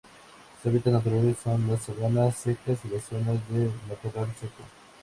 Sus hábitats naturales son las sabanas secas y las zonas de matorral seco.